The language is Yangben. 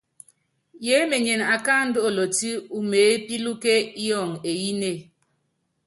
Yeémenyene akáandú olotí umeépílúke yɔŋɔ eyínée.